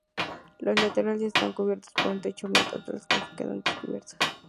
Los laterales están cubiertos por un techo, mientras que los fondos quedan descubiertos.